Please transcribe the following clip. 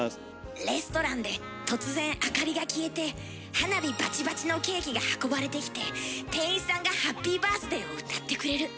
レストランで突然明かりが消えて花火バチバチのケーキが運ばれてきて店員さんが「ハッピーバースデー」を歌ってくれる。